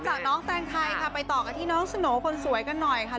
จากน้องแตงไทยค่ะไปต่อกันที่น้องสโหน่คนสวยกันหน่อยค่ะ